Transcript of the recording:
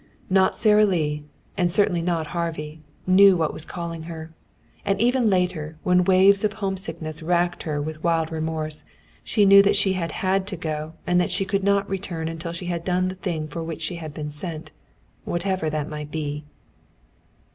Not Sara Lee, and certainly not Harvey, knew what was calling her. And even later, when waves of homesickness racked her with wild remorse, she knew that she had had to go and that she could not return until she had done the thing for which she had been sent, whatever that might be.